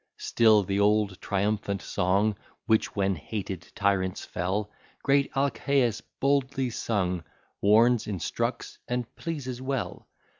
Still the old triumphant song, Which, when hated tyrants fell, Great Alcæus boldly sung, Warns, instructs, and pleases well.